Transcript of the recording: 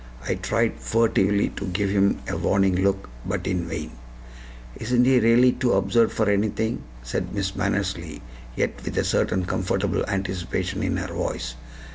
I tried furtively to give him a warning look, but in vain. "Isn't he really too absurd for anything?" said Miss Mannersley, yet with a certain comfortable anticipation in her voice.